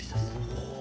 おお。